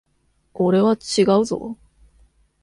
俺は違うぞ。